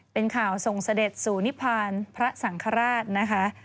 เป็นข่าวส่งเสด็จสูริพรรณพระสังคราช